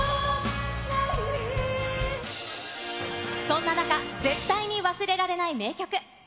そんな中、絶対に忘れられない名曲。